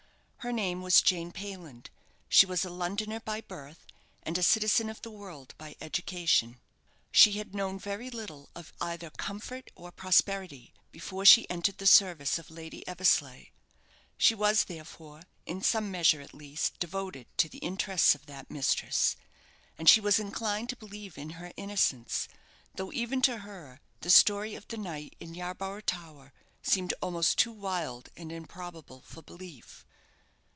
Her name was Jane Payland; she was a Londoner by birth, and a citizen of the world by education. She had known very little of either comfort or prosperity before she entered the service of Lady Eversleigh. She was, therefore, in some measure at least, devoted to the interests of that mistress, and she was inclined to believe in her innocence; though, even to her, the story of the night in Yarborough Tower seemed almost too wild and improbable for belief.